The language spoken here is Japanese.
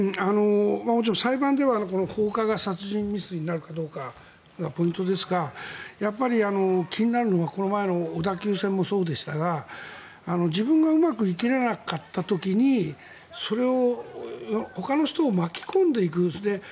もちろん裁判では放火が殺人未遂になるかどうかがポイントですがやっぱり気になるのはこの前の小田急線もそうでしたが自分がうまく生きれなかった時にそれをほかの人を巻き込んでいくという。